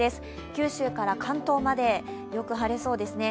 九州から関東までよく晴れそうですね。